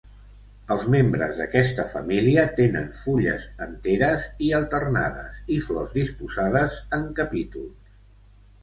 Els membres d'aquesta família tenen fulles enteres i alternades i flors disposades en capítols.